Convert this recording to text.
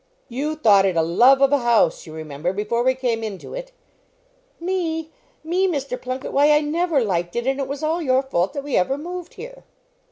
"You thought it a love of a house, you remember, before we came into it." "Me? Me? Mr. Plunket? Why, I never liked it; and it was all your fault that we ever moved here."